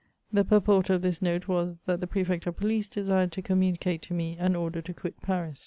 '* The purport of this note was, that the Prefect of Police desired to communicate to me an order to quit Paris.